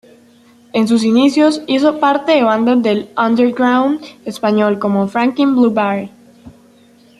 En sus inicios hizo parte de bandas del "underground" español como "Franklin Blue Bar".